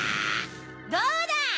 どうだ！